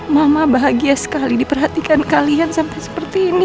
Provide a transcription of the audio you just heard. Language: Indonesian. mama bahagia sekali diperhatikan kalian sampai seperti ini